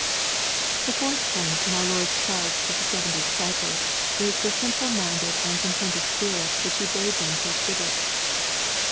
The fourth point in our Lord^s charge to the seventy disciples is the strnple minded and contented spirit which He bade them to exhibit.